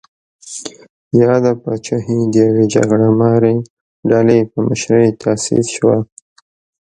یاده پاچاهي د یوې جګړه مارې ډلې په مشرۍ تاسیس شوه.